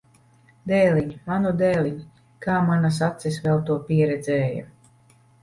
Dēliņ! Manu dēliņ! Kā manas acis vēl to pieredzēja!